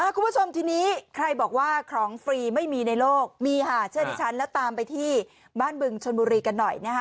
คุณผู้ชมทีนี้ใครบอกว่าของฟรีไม่มีในโลกมีค่ะเชื่อดิฉันแล้วตามไปที่บ้านบึงชนบุรีกันหน่อยนะคะ